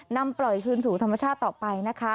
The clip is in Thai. นำปล่อยคืนสู่ธรรมชาติต่อไปนะคะ